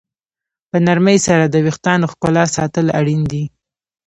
په نرمۍ سره د ویښتانو ښکلا ساتل اړین دي.